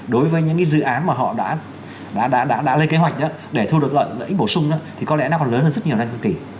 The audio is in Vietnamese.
đối với những dự án mà họ đã lấy kế hoạch để thu được lợi ích bổ sung thì có lẽ nó còn lớn hơn rất nhiều thanh niên tỷ